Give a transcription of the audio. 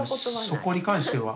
そこに関しては。